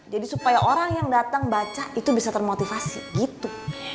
jadi supaya orang yang dateng baca itu bisa termotivasi gitu